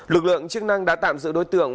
lực lượng chức năng đã tạm giữ đối tượng